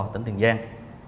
tỉnh tiền giang